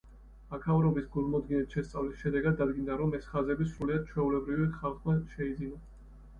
აქაურობის გულმოდგინედ შესწავლის შედეგად დადგინდა, რომ ეს ხაზები სრულიად ჩვეულებრივმა ხალხმა შექმნა.